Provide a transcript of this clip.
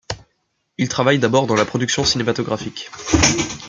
Il travaille d'abord dans la production cinématographique.